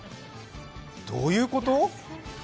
どういうこと！？